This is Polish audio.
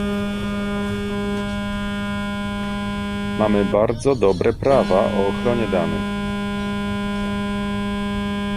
Mamy bardzo dobre prawa o ochronie danych